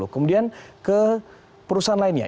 kemudian ke perusahaan lainnya